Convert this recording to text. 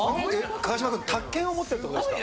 川島君宅建を持ってるって事ですか？